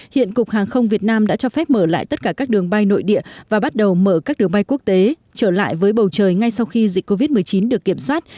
hiện cục hàng không việt nam đã cho phép mở lại tất cả các đường bay nội địa và bắt đầu mở các đường bay quốc tế trở lại với bầu trời ngay sau khi dịch covid một mươi chín được kiểm soát